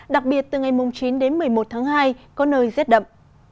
đặc biệt từ ngày chín đến một mươi một tháng hai có nơi rét đậm